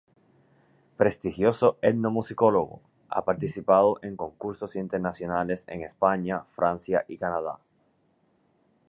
Prestigioso etnomusicólogo, ha participado en cursos internacionales en España, Francia y Canadá.